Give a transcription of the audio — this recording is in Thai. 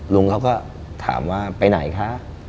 ลุงเขาก็ถามว่าไปไหนคะ